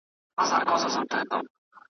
خو چي زه مي د مرګي غېږي ته تللم .